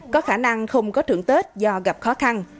có khả năng không có thưởng tết do gặp khó khăn